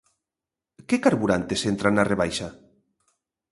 Que carburantes entran na rebaixa?